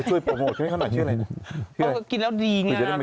ช่วยโปรโมทให้เขาหน่อยเชื่ออะไรนะ